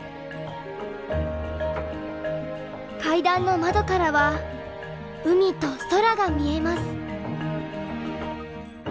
階段の窓からは海と空が見えます。